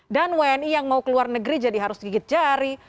dan wni yang mau keluar negeri jadi harus gigit jari